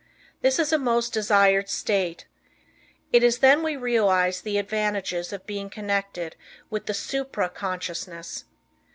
This is a most desired state. It is then we realize the advantages of being connected with the supra consciousness.